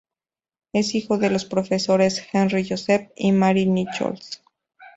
Es hijo de los profesores Henry Joseph y Mary Nichols.